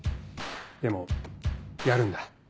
でもやるんだ。